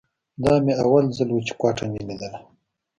دا مې اول ځل و چې کوټه مې ليدله.